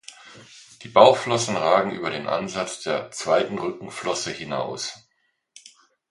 Die Bauchflossen ragen über den Ansatz der zweiten Rückenflosse hinaus.